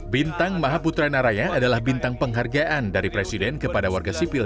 bintang mahaputra naraya adalah bintang penghargaan dari presiden kepada warga sipil